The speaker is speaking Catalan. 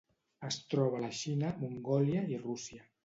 Es troba a la Xina, Mongòlia i Rússia.